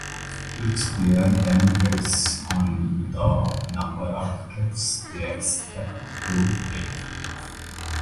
Each player then bids on the number of tricks they expect to take.